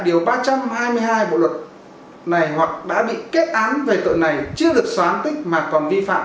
điều ba trăm hai mươi hai bộ luật này hoặc đã bị kết án về tội này chưa được xóa án tích mà còn vi phạm